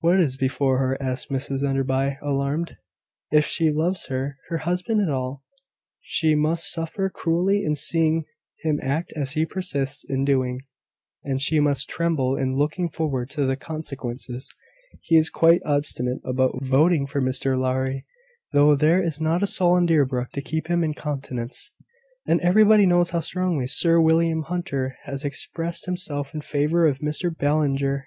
"What is before her?" ask Mrs Enderby, alarmed. "If she loves her husband at all, she must suffer cruelly in seeing him act as he persists in doing; and she must tremble in looking forward to the consequences. He is quite obstinate about voting for Mr Lowry, though there is not a soul in Deerbrook to keep him in countenance; and everybody knows how strongly Sir William Hunter has expressed himself in favour of Mr Ballinger.